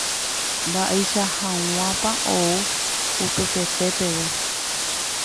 mba'eicha hag̃uápa ou upepete peve